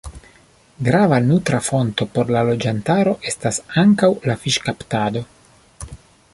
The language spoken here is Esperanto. Grava nutra fonto por la loĝantaro estas ankaŭ la fiŝkaptado.